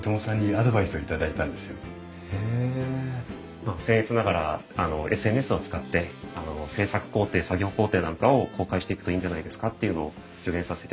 まあせん越ながらＳＮＳを使って制作工程作業工程なんかを公開していくといいんじゃないですかっていうのを助言させていただきました。